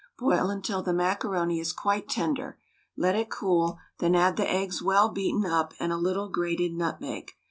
Boil until the macaroni is quite tender. Let it cool, then add the eggs well beaten up, and a little grated nutmeg.